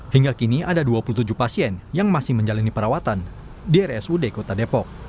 hingga kini ada dua puluh tujuh pasien yang masih menjalani perawatan di rsud kota depok